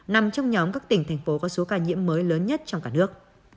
nằm trong nhóm các tỉnh thành phố có số ca nhiễm mới lớn nhất trong cả nước